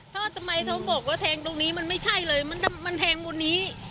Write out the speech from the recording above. ถ้าทำไมเขาบอกว่าแทงตรงนี้มันไม่ใช่เลยมันแทงบนนี้